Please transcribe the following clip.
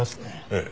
ええ。